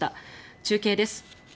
中継です。